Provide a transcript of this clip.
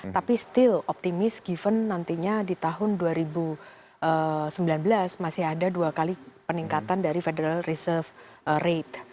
tapi still optimis given nantinya di tahun dua ribu sembilan belas masih ada dua kali peningkatan dari federal reserve rate